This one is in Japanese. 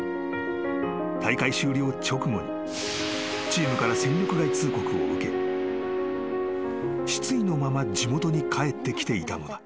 ［大会終了直後にチームから戦力外通告を受け失意のまま地元に帰ってきていたのだ］